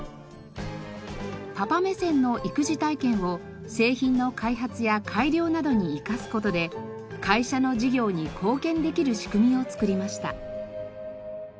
パパ目線の育児体験を製品の開発や改良などに生かす事で会社の事業に貢献できる仕組みを作りました。